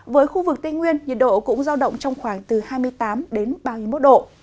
với khu vực tây nguyên nhiệt độ cũng giao động trong khoảng từ hai mươi tám ba mươi một độ